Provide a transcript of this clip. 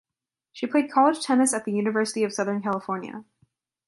She played college tennis at the University of Southern California.